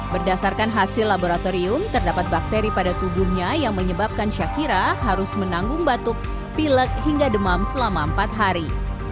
berdasarkan hasil laboratorium terdapat bakteri pada tubuhnya yang menyebabkan syakira harus menanggung batuk pilek hingga demam selama empat hari